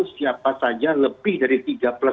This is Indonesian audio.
siapa saja lebih dari tiga puluh orang yang terkenal